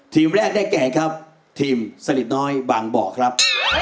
ทีมแรกได้แก่ครับทีมสนิทน้อยบางบ่อครับ